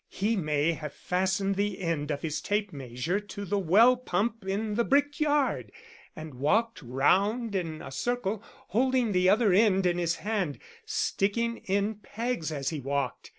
He may have fastened the end of his tape measure to the well pump in the bricked yard, and walked round in a circle holding the other end in his hand, sticking in pegs as he walked.